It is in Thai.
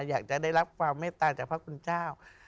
อยากจะได้รับความเมตตาจากพระคุณเจ้า